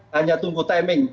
hanya tunggu timing